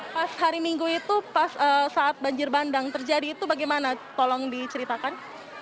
pas hari minggu itu pas saat banjir bandang terjadi itu bagaimana tolong diceritakan